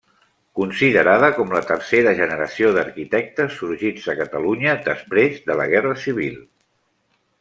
Considerada com la tercera generació d'arquitectes sorgits a Catalunya després de la guerra civil.